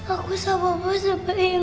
aku sama bapak sebaiknya